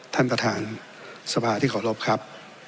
ท่านประธานสภาที่ขอรบครับ